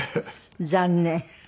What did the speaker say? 残念。